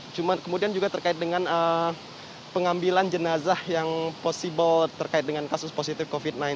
cuma kemudian juga terkait dengan pengambilan jenazah yang possible terkait dengan kasus positif covid sembilan belas